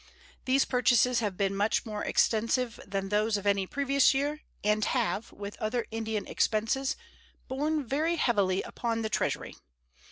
These purchases have been much more extensive than those of any previous year, and have, with other Indian expenses, borne very heavily upon the Treasury.